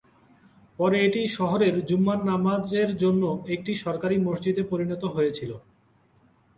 পরে এটি শহরের জুমার নামাজের জন্য একটি সরকারী মসজিদে পরিণত হয়েছিল।